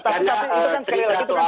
karena cerita soal anggaran yang menyimpang